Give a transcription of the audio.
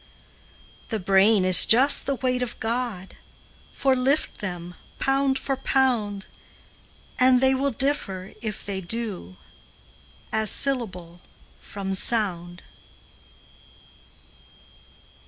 The brain is just the weight of God, For, lift them, pound for pound, And they will differ, if they do, As syllable from sound.